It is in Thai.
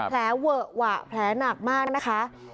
แผลเวอะหวะแผลหนักมากนะคะ